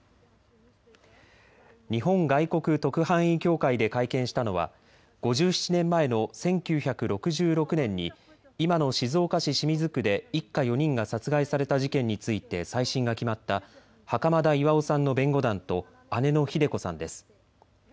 日本外国特派員協会で会見したのは５７年前の１９６６年に今の静岡市清水区で一家４人が殺害された事件について再審が決まった袴田巌さんの弁護団と姉のひで子さんです。